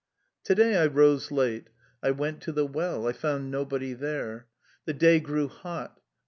To day I rose late. I went to the well. I found nobody there. The day grew hot.